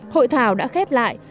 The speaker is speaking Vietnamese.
hội thảo đã khép lại